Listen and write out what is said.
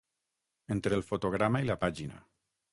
Entre el fotograma i la pàgina.